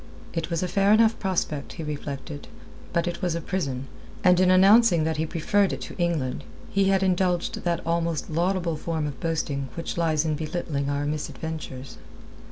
It was a fair enough prospect, he reflected, but it was a prison, and in announcing that he preferred it to England, he had indulged that almost laudable form of boasting which lies in belittling our misadventures.